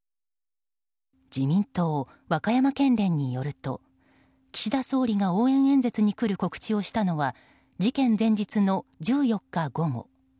自民党和歌山県連によると岸田総理が応援演説に来る告知をしたのは事件前日の１４日午後。